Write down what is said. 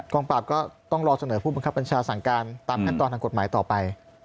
กองปราบก็ต้องรอเสนอผู้บัญชาสั่งการตามแทดต่อทางกฎหมายต่อไป